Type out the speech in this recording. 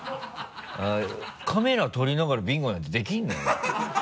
カメラ撮りながらビンゴなんてできるの？